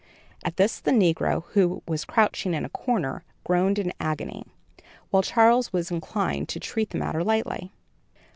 At this, the negro, who was crouched in a corner, groaned in agony, while Charles was inclined to treat the matter lightly.